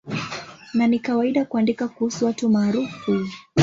Na ni kawaida kuandika kuhusu watu maarufu.